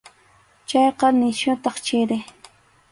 Chayqa nisyutaq chiri.